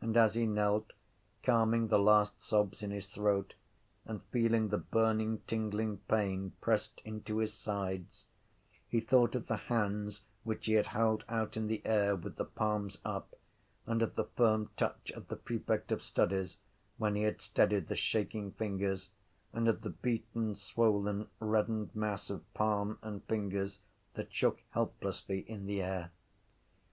And as he knelt, calming the last sobs in his throat and feeling the burning tingling pain pressed into his sides, he thought of the hands which he had held out in the air with the palms up and of the firm touch of the prefect of studies when he had steadied the shaking fingers and of the beaten swollen reddened mass of palm and fingers that shook helplessly in the air.